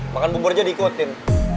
makan bubur aja diikutin